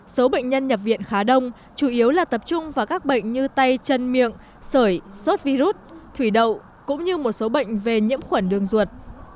số bệnh nhân nhập viện khá đông chủ yếu là tập trung vào các bệnh như tay chân miệng sởi sốt virus thủy đậu cũng như một số bệnh về nhiễm khuẩn đường ruột